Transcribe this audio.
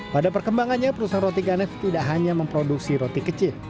pada perkembangannya perusahaan roti ganes tidak hanya memproduksi roti kecil